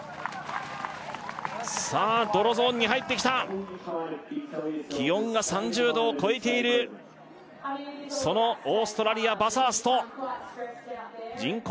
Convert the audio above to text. さあ泥ゾーンに入ってきた気温が３０度を超えているそのオーストラリア・バサースト人口